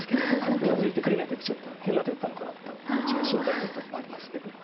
うなずいてくれない時ちょっと変な手打ったのかなとこっちが心配になる時もありますけど。